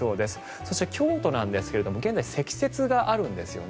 そして、京都なんですが現在、積雪があるんですよね。